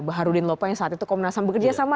baharudin loppa yang saat itu komnas ham bekerja sama